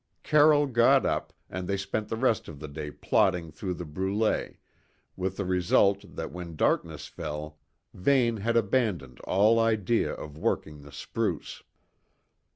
Carroll got up, and they spent the rest of the day plodding through the brûlée, with the result that when darkness fell Vane had abandoned all idea of working the spruce.